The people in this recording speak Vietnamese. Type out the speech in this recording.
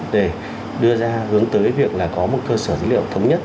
để đưa ra hướng tới việc là có một cơ sở dữ liệu thống nhất